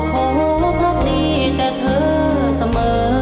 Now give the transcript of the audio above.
ขอพักดีแต่เธอเสมอ